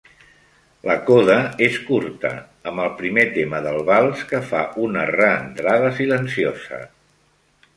La coda és curta amb el primer tema del vals que fa una reentrada silenciosa.